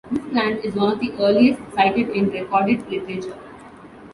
This plant is one of the earliest cited in recorded literature.